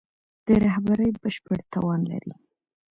د رهبري بشپړ توان لري.